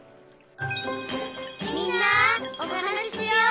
「みんなおはなししよう」